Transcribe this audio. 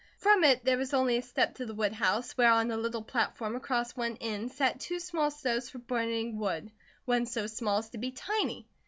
From it there was only a step to the woodhouse, where on a little platform across one end sat two small stoves for burning wood, one so small as to be tiny.